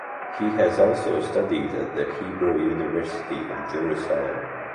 He has also studied at the Hebrew University of Jerusalem.